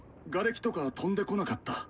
ガレキとか飛んでこなかった？